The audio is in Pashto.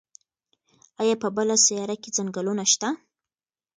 ایا په بله سیاره کې ځنګلونه شته؟